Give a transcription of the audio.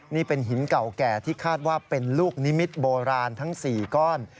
นี่เป็นหินเก่าแก่ที่คาดว่าเป็นลูกนิมิตรโบราณทั้ง๔ก้อน